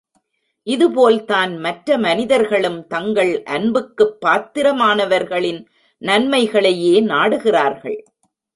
இது போல்தான் மற்ற மனிதர்களும் தங்கள் அன்புக்குப் பாத்திரமானவர்களின் நன்மைகளையே நாடுகிறார்கள்.